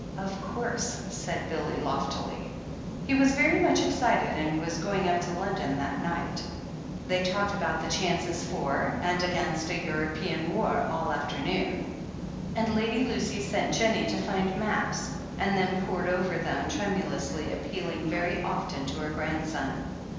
"Of course," said Billy loftily. He was very much excited, and was going up to London that night. They talked about the chances for and against a European war all the afternoon, and Lady Lucy sent Jennie to find maps, and then pored over them tremu lously, appealing very often to her grandson.